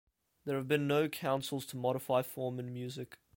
There have been no councils to modify form and music.